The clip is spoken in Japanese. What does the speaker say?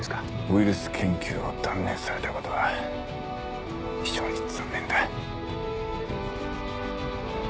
ウイルス研究を断念されたことは非常に残念だ。